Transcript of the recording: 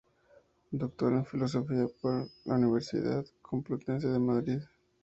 Doctora en Filosofía por la Universidad Complutense de Madrid.